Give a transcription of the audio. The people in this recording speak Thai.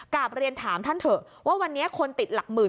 กลับเรียนถามท่านเถอะว่าวันนี้คนติดหลักหมื่น